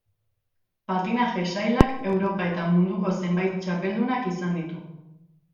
Patinaje sailak Europa eta munduko zenbait txapeldunak izan ditu.